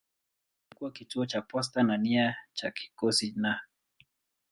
Ilikuwa kituo cha posta na pia cha kikosi na.